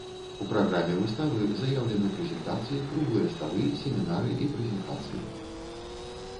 У праграме выставы заяўлены прэзентацыі, круглыя сталы, семінары і прэзентацыі.